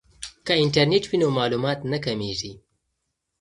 که انټرنیټ وي نو معلومات نه کمیږي.